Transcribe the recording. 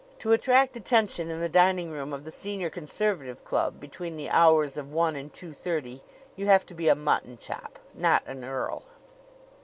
To attract attention in the dining room of the Senior Conservative Club between the hours of one and two thirty, you have to be a mutton chop not an earl.